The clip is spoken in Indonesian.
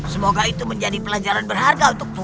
semoga itu menjadi pelajaran berharga untuk publik